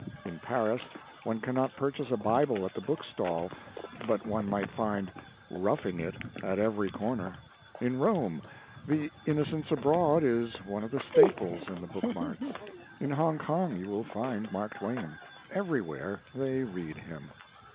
In Paris one cannot purchase a Bible at the book stall, but one may find " Roughing It" at every cor ner. In Rome, "The Innocents Abroad" is one of the staples in the book marts. In Hongkong you will find Mark Twain. Everywhere they read him.